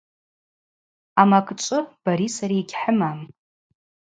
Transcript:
Амакӏчӏвы бари сари йгьхӏымам.